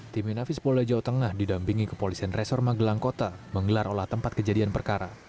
tim inafis polda jawa tengah didampingi kepolisian resor magelang kota menggelar olah tempat kejadian perkara